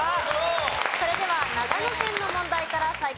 それでは長野県の問題から再開です。